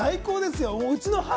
最高ですよ。